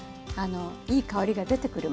いい香りが出てくるまでね。